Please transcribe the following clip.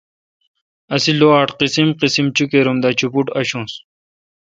اسےلوآٹ قسیم قسیمچوکیر ام دا چوپوٹ آݭونس